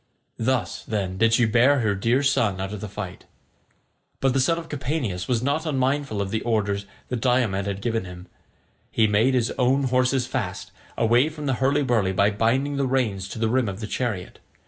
Thus, then, did she bear her dear son out of the fight. But the son of Capaneus was not unmindful of the orders that Diomed had given him. He made his own horses fast, away from the hurly burly, by binding the reins to the rim of the chariot.